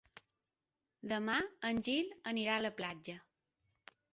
Demà en Gil anirà a la platja.